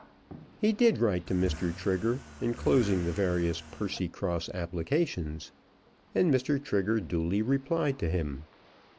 He did write to Mr. Trigger, enclosing the various Percycross applications; and Mr. Trigger duly replied to him.